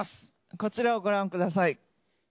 こちらをご覧ください。